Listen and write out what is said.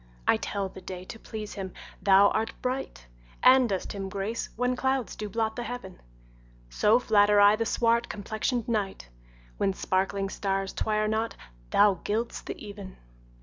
I tell the day, to please him thou art bright, And dost him grace when clouds do blot the heaven: So flatter I the swart complexion'd night, When sparkling stars twire not thou gild'st the even.